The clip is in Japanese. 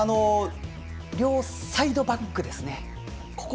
両サイドバックですね。